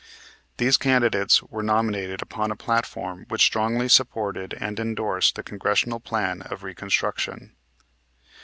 These candidates were nominated upon a platform which strongly supported and indorsed the Congressional Plan of Reconstruction.